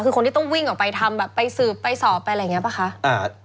คือคนที่ต้องวิ่งออกไปทำไปสืบไปสอบอะไรแบบนี้ป่ะคะ